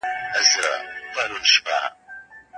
ایا په اوړي کي د یخو شړومبو چښل د زړه سکون دی؟